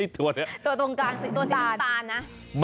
ตัวตรงกลางสีน้ำตานนะ